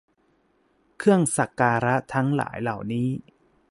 เครื่องสักการะทั้งหลายเหล่านี้